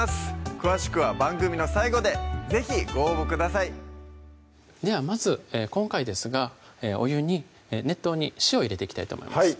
詳しくは番組の最後で是非ご応募くださいではまず今回ですがお湯に熱湯に塩を入れていきたいと思います